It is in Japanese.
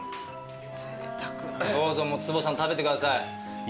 どうぞ坪さん食べてください。